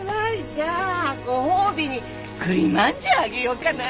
じゃあご褒美に栗まんじゅうあげようかな。